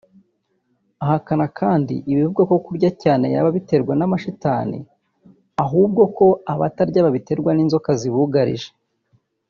Ahakana kandi ibivugwa ko kurya cyane yaba abiterwa n’amashitani ahubwo ko abatarya babiterwa n’inzoka zibugarije